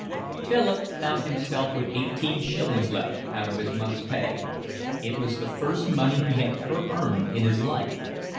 Philip found himself with eighteen shillings left out of his month's pay. It was the first money he had ever earned in his life.